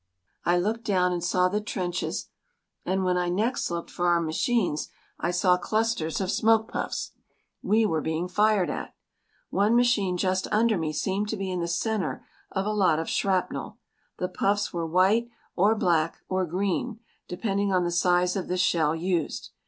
I looked down and saw the trenches and when I next looked for our machines I saw clusters of smoke puffs. We were being fired at. One machine just under me seemed to be in the centre of a lot of shrapnel. The puffs were white, or black, or green, depending on the size of the shell used.